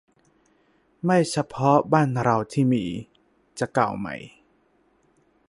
ไม่เฉพาะบ้านเราที่มี จะเก่าใหม่